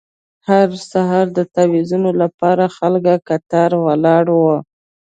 هر سهار د تاویزونو لپاره خلک کتار ولاړ وو.